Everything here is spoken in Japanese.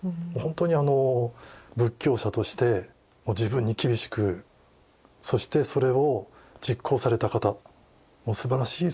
仏教者として自分に厳しくそしてそれを実行された方すばらしい